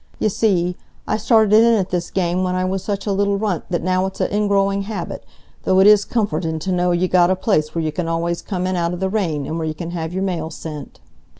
Y' see, I started in at this game when I was such a little runt that now it's a ingrowing habit, though it is comfortin' t' know you got a place where you c'n always come in out of the rain, and where you c'n have your mail sent."